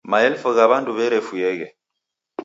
Maelfu gha w'andu w'erefuyeghe.